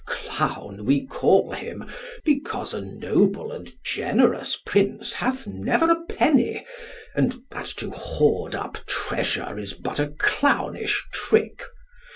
Clown we call him, because a noble and generous prince hath never a penny, and that to hoard up treasure is but a clownish trick.